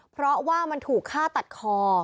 เพราะว่ามันถูกฆ่าตัดคอ